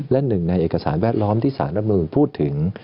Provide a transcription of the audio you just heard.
และหนึ่งในเอกสารแวดล้อมที่สารรัฐมนุนพูดถึง